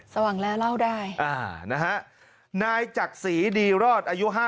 สว่างแล้วเล่าได้นะฮะนายจักษีดีรอดอายุ๕๐